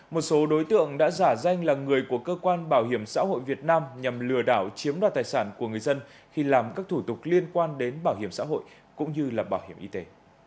một số đối tượng đã giả danh là người của cơ quan bảo hiểm xã hội việt nam nhằm lừa đảo chiếm đoạt tài sản của người dân khi làm các thủ tục liên quan đến bảo hiểm xã hội cũng như là bảo hiểm y tế